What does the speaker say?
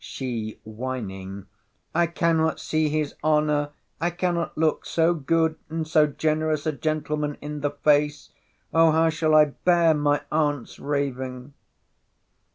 —She whining, I cannot see his honour—I cannot look so good and so generous a gentleman in the face—O how shall I bear my aunt's ravings?